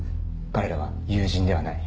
彼らは友人ではない。